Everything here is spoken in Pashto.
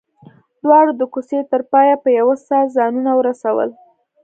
دواړو د کوڅې تر پايه په يوه ساه ځانونه ورسول.